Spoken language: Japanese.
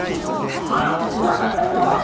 あっわかったぞい！